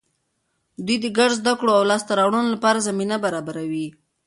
دوی د ګډو زده کړو او لاسته راوړنو لپاره زمینه برابروي.